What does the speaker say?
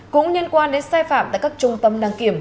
cũng liên quan đến xe phạm tại các trung tâm năng kiểm